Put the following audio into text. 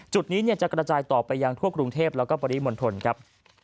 จุดนี้จะกระจายต่อไปยังทั่วกรุงเทพแล้วก็ปริมณฑลครับ